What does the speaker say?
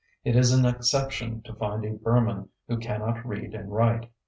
It is an exception to find a Burman who cannot read and write.